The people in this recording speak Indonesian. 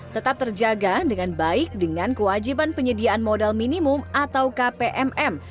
tetap terjaga dengan baik dengan kewajiban penyediaan modal minimum atau kpm